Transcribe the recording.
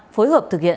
phối hợp thực hiện